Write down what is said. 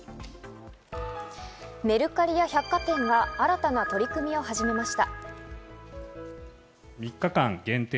メルカリや百貨店が新たな取り組みを始めました。